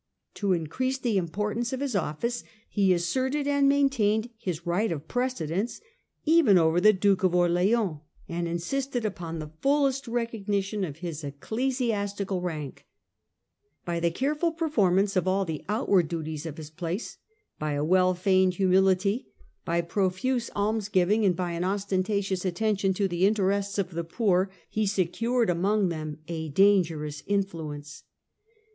To increase the importance of his 1648. The Cardinal de Rets. 35 office he asserted and maintained his right of precedence even over the Duke of Orleans, and insisted upon the fullest recognition of his ecclesiastical rank. By the careful performance of all the outward duties of his place, by a well feigned humility, by profuse almsgiving, and by an ostentatious attention to the interests of the poor, he secured among them a dangerous influence.